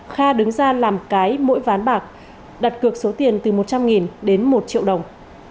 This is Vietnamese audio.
kha đứng ra làm cái mỗi ván bạc đặt cược số tiền từ một trăm linh đến một triệu đồng